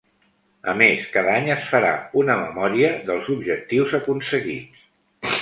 A més, cada any es farà una memòria dels objectius aconseguits.